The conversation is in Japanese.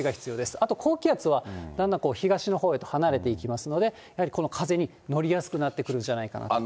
あと、高気圧はだんだん東のほうへと離れていきますので、やはりこの風に乗りやすくなってくるんじゃないかなと。